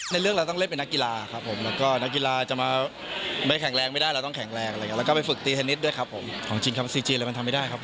ในเรื่องเราต้องเล่นเป็นนักกีฬาครับ